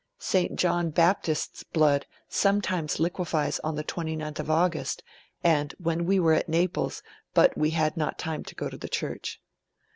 St John Baptist's blood sometimes liquefies on the 29th of August, and did when we were at Naples, but we had not time to go to the church.